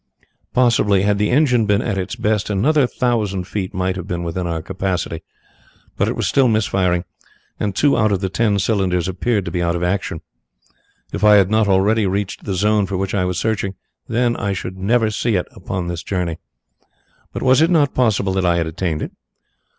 Possibly, had the engine been at its best, another thousand feet might have been within our capacity, but it was still misfiring, and two out of the ten cylinders appeared to be out of action. If I had not already reached the zone for which I was searching then I should never see it upon this journey. But was it not possible that I had attained it?